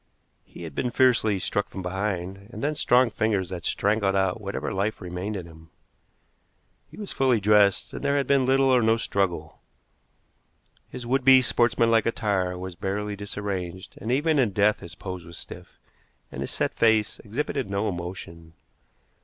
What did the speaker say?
He had been fiercely struck from behind, and then strong fingers had strangled out whatever life remained in him. He was fully dressed, and there had been little or no struggle. His would be sportsmanlike attire was barely disarranged, and even in death his pose was stiff, and his set face exhibited no emotion.